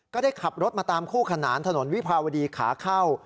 ก็ได้ขับรถมาตามคู่ขนานถนนวิภาวดีขาเข้า